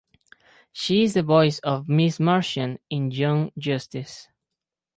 She is the voice of Miss Martian in "Young Justice".